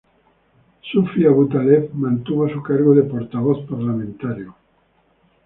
Sufi Abu Taleb mantuvo su cargo de portavoz parlamentario.